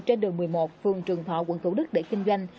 trên đường một mươi một phường trường thọ quận thủ đức để kinh doanh